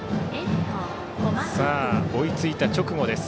追いついた直後です。